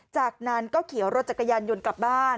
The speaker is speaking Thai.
จากนั้นก็ขี่รถจักรยานยนต์กลับบ้าน